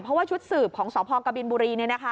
เพราะว่าชุดสืบของสพกบินบุรี